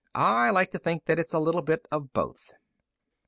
"I like to think that it's a little bit of both."